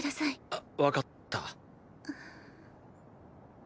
あわかった。